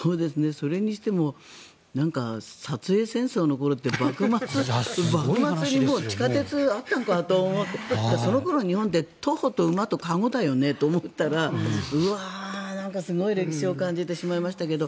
それにしても、薩英戦争の頃って幕末に地下鉄があったんかと思ってその頃、日本って徒歩と馬と籠だよねと思ったらうわあ、すごい歴史を感じてしまいましたけど。